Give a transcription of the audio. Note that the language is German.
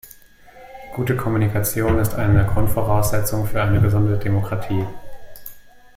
Gute Kommunikation ist eine Grundvoraussetzung für eine gesunde Demokratie.